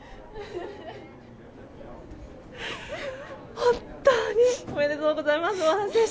本当におめでとうございます大橋選手！